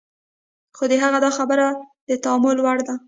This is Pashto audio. خو د هغه دا خبره د تأمل وړ ده.